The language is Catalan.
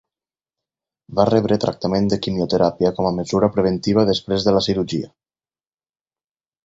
Va rebre tractament de quimioteràpia com a mesura preventiva després de la cirurgia.